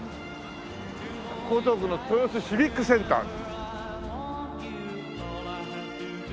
江東区の豊洲シビックセンター。